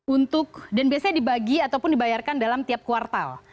untuk dan biasanya dibagi ataupun dibayarkan dalam tiap kuartal